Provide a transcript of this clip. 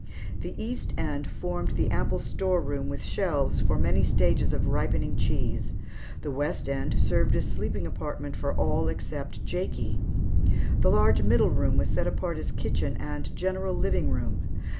The east end formed the ample store room with shelves for many stages of ripening cheese. The west end served as sleeping apartment for all except Jakie. The large middle room was set apart as kitchen and general living room.